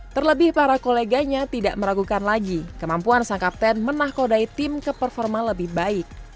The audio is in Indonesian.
terlebih para koleganya tidak meragukan lagi kemampuan sang kapten menahkodai tim ke performa lebih baik